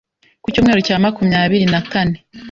ku cyumweru cya makumyabiri na kne